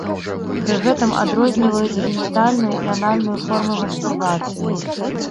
Пры гэтым адрозніваюць генітальную і анальную формы мастурбацыі.